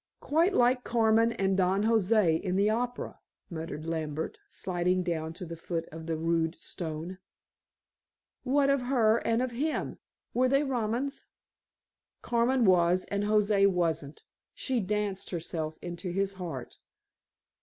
"Quite like Carmen and Don José in the opera," murmured Lambert, sliding down to the foot of the rude stone. "What of her and of him? Were they Romans?" "Carmen was and José wasn't. She danced herself into his heart."